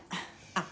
あっ。